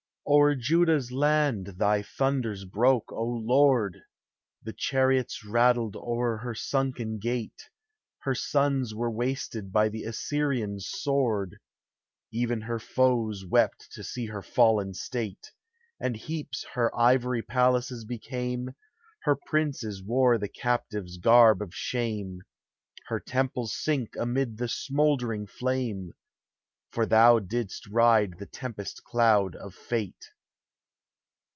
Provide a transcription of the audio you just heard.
O'er Judah's land thy thunders broke, O Lord! The chariots rattled o'er her sunken gate, Her sons were wasted by the Assyrian's sword, ■Even her foes wept to see her fallen state; And heaps her ivory palaces became, Her princes wore the captive's garb of shame, Her temples sank amid the smouldering flame, For thou didst ride the tempest cloud of fate.